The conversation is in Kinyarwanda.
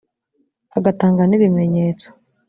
agatanga n’ibimenyetso